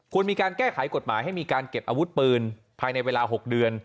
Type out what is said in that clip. มีการแก้ไขกฎหมายให้มีการเก็บอาวุธปืนภายในเวลา๖เดือน